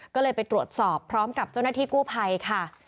ก็เลยไปตรวจสอบพร้อมกับเจ้าหน้าที่กู้ภัยค่ะ